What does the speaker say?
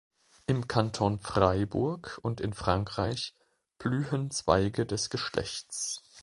Im Kanton Freiburg und in Frankreich blühen Zweige des Geschlechts.